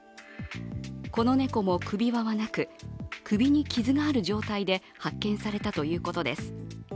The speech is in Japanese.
この猫も首輪はなく、首に傷がある状態で発見されたということです。